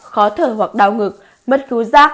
khó thở hoặc đau ngực mất hú da